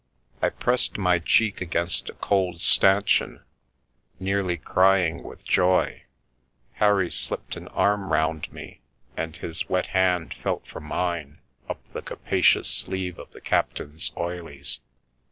I pressed my cheek against a cold stanchion, nearly crying with joy. Harry slipped an arm round me, and his wet hand felt for mine up the capacious sleeve of the captain's oilies.